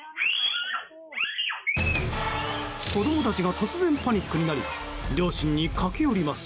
子供たちが突然パニックになり両親に駆け寄ります。